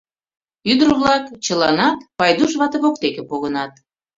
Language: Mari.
Ӱдыр-влак чыланат Пайдуш вате воктеке погынат.